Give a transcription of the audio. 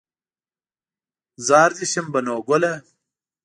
زار دې شم بنو ګله